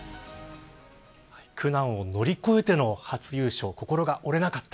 苦難を乗り越えての初優勝心が折れなかった。